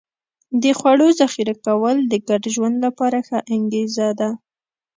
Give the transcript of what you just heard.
د خوړو ذخیره کول د ګډ ژوند لپاره ښه انګېزه ده.